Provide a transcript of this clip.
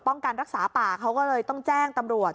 การรักษาป่าเขาก็เลยต้องแจ้งตำรวจ